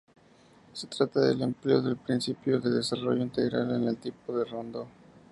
Se trata del empleo del principio de desarrollo integral en el tipo del rondó.